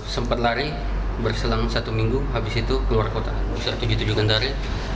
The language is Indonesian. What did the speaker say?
sempat lari berselang satu minggu habis itu keluar kota besar tujuh puluh tujuh kendari